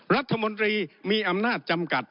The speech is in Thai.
รัฐมนตรีมีอำนาจจำกัด